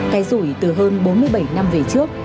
cái rủi từ hơn bốn mươi bảy năm về trước